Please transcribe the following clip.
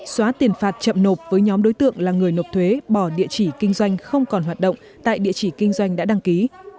xóa tiền phạt chậm nộp với nhóm đối tượng là người nộp thuế bỏ địa chỉ kinh doanh không còn hoạt động tại địa chỉ kinh doanh đã đăng ký